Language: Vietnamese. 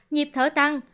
nhịp thở tăng